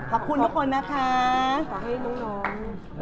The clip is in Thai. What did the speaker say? ค่ะแต่ข้าบคุณลูกคนนะคะขอให้ลูก